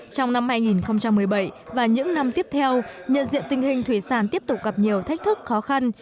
trong năm hai nghìn một mươi bảy và những năm tiếp theo nhận diện tình hình thủy sản tiếp tục gặp nhiều thách thức khó khăn